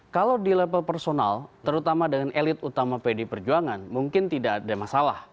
kalau di level personal terutama dengan elit utama pd perjuangan mungkin tidak ada masalah